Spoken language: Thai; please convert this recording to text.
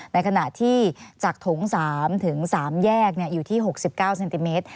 ในขณะที่จากโถง๓ถึง๓แยกอยู่ที่๖๙เซนติเมตร